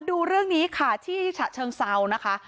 ดูเรื่องนี้ค่ะที่ฉะเชิงเซานะคะ